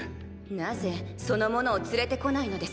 なぜその者を連れてこないのです？